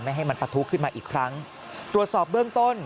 ให้มันปะทุขึ้นมาอีกครั้งตรวจสอบเบื้องต้น